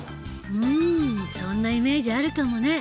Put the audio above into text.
うんそんなイメージあるかもね。